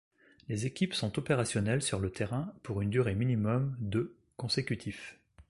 Les équipes sont opérationnelles sur le terrain pour une durée minimum de consécutifs.